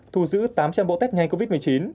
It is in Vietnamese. thu giữ tám trăm linh bộ test nhanh covid một mươi chín